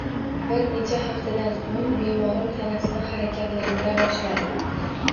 Bir necha haftadan so`ng bemorim tanasini harakatlantira boshladi